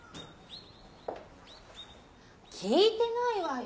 ・聞いてないわよ